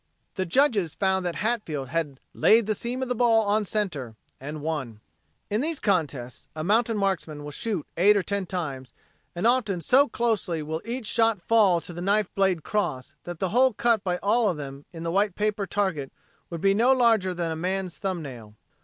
The judges found that Hatfield had laid "the seam of the ball on center," and won. In these contests a mountain marksman will shoot eight or ten times and often so closely will each shot fall to the knife blade cross that the hole cut by all of them in the white paper target would be no larger than a man's thumb nail.